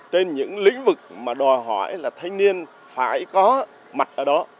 trên những lĩnh vực mà đòi hỏi là thanh niên phải có mặt ở đó